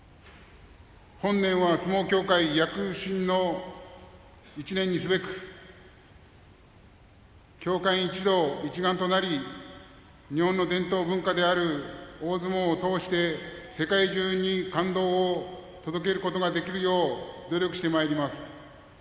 本年は相撲協会躍進の１年にすべく協会員一同、一丸となり日本の伝統文化である大相撲を通して、世界中に感動を届けることができるよう努力してまいります。